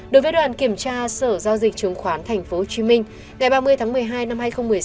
đối với đoàn kiểm tra sở giao dịch chứng khoán tp hcm ngày ba mươi tháng một mươi hai năm hai nghìn một mươi sáu